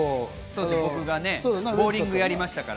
僕がボウリングやりましたから。